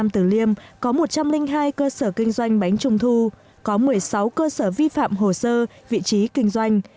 trong một trăm linh hai cơ sở kinh doanh bánh trung thu có một mươi sáu cơ sở vi phạm hồ sơ vị trí kinh doanh